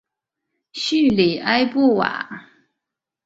叙里埃布瓦。